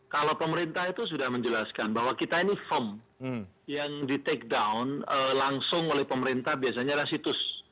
kalau pemerintah itu sudah menjelaskan bahwa kita ini firm yang di take down langsung oleh pemerintah biasanya adalah situs